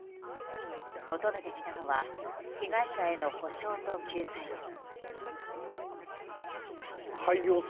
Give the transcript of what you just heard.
求めてきたのは被害者への補償と救済です。